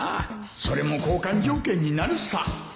それも交換条件になるさ